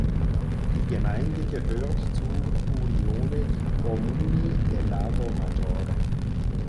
Die Gemeinde gehört zur "Unione di Comuni del Lago Maggiore".